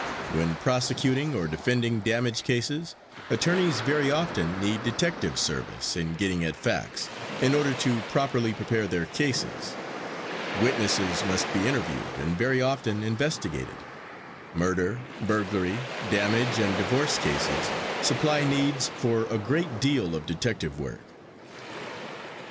When prosecuting or defending damage cases, attorneys very often need detective service in getting at facts, in order to properly prepare their cases. Witnesses must be interviewed, and very often investigated. Murder, burglary, damage and divorce cases supply needs for a great deal of detective work.